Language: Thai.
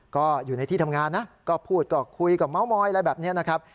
ก็อยู่ในที่ทำงานนะก็พูดก็คุยกับเม้ามอยอะไรแบบนี้นะครับ